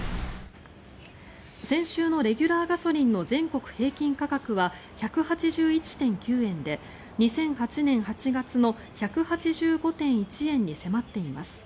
先週のレギュラーガソリンの全国平均価格は１８１．９円で２００８年８月の１８５．１円に迫っています。